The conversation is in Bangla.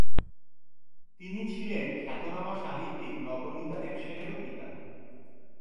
তিনি ছিলেন খ্যাতনামা সাহিত্যিক নবনীতা দেবসেনেরও পিতা।